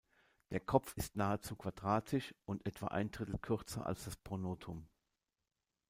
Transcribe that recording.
Der Kopf ist nahezu quadratisch und etwa ein Drittel kürzer als das Pronotum.